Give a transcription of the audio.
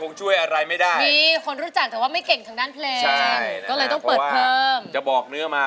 ตอนนี้นะครับ๑๒๓๔๖ครับ